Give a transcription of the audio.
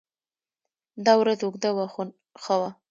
دا ورځ اوږده وه خو ښه وه.